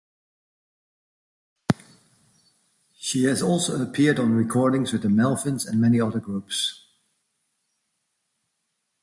She has also appeared on recordings with The Melvins and many other groups.